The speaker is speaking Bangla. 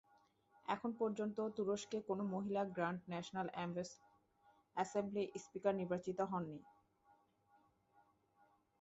এখন পর্যন্ত, তুরস্কে কোনো মহিলা গ্র্যান্ড ন্যাশনাল অ্যাসেম্বলি স্পিকার নির্বাচিত হন নি।